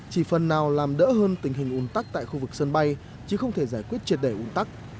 chỉ phần nào làm đỡ hơn tình hình ủn tắc tại khu vực sân bay chứ không thể giải quyết triệt đề un tắc